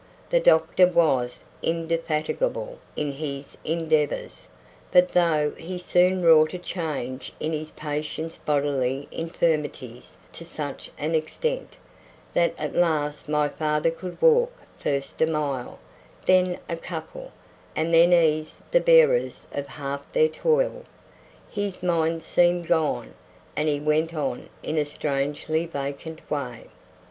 The doctor was indefatigable in his endeavours; but though he soon wrought a change in his patient's bodily infirmities to such an extent, that at last my father could walk first a mile, then a couple, and then ease the bearers of half their toil, his mind seemed gone, and he went on in a strangely vacant way.